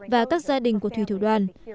và các gia đình của thủy thủ đoàn